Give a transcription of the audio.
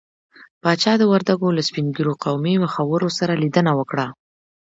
پاچا د وردګو له سپين ږيرو قومي مخورو سره ليدنه وکړه.